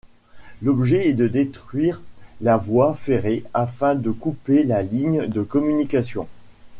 L'objet est de détruire la voie ferrée afin de couper la ligne de communication.